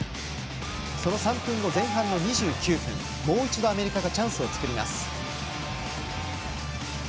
その３分後、前半２９分もう一度アメリカがチャンスを作ります。